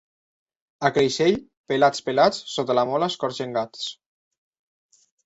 A Creixell, pelats, pelats, sota la mola escorxen gats.